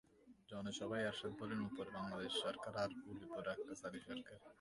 জনসভায় এরশাদ বলেন, ওপরে বাংলাদেশ সরকার আর উলিপুরে আক্কাস আলী সরকার।